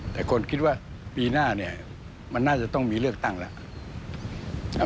แต่คนคิดว่าปีหน้าเนี่ยมันน่าจะต้องมีเลือกตั้งแล้ว